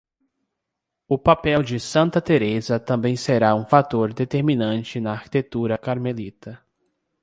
O papel de Santa Teresa também será um fator determinante na arquitetura carmelita.